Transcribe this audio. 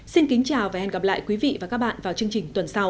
xin kính chào và hẹn gặp lại quý vị và các bạn vào chương trình tuần sau